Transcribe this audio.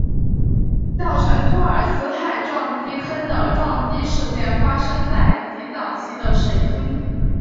造成托尔斯泰撞击坑的撞击事件发生在极早期的水星。